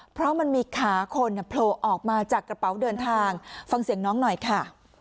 เพราะมันมีขาคนโผล่ออกมาจากกระเป๋าเดินทางฟังเสียงน้องหน่อยค่ะ